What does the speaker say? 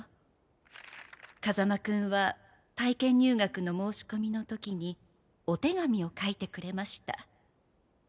風間くんは体験入学の申し込みの時にお手紙を書いてくれました。